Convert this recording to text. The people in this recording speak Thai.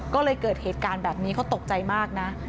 ก็เลยเกิดเหตุการณ์แบบนี้เขาตกใจมากนะ